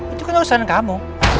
itu kan urusan kamu